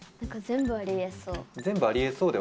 全部ありえそう。